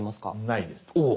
ないです。